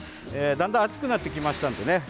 だんだん暑くなってきましたのでね。